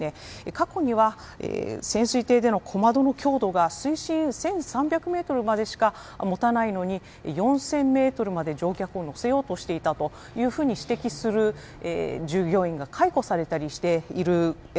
過去には潜水艇での小窓の強度が水深１３００メートルまでしか持たないのに４０００メートルまで乗客を乗せようとしていたというふうに指摘する従業員が解雇されたりしている。